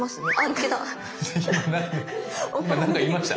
今何か言いました？